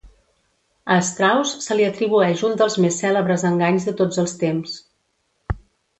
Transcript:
A Straus se li atribueix un dels més celebres enganys de tots els temps.